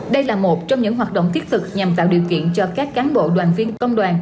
đây là một trong những hoạt động thiết thực nhằm tạo điều kiện cho các cán bộ đoàn viên công đoàn